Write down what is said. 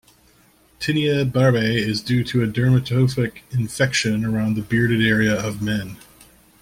Tinea barbae is due to a dermatophytic infection around the bearded area of men.